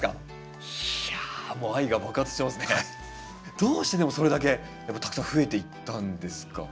どうしてでもそれだけたくさん増えていったんですか？